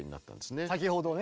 先ほどね